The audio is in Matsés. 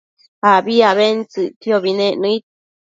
abi abentsëcquiobi nec nëid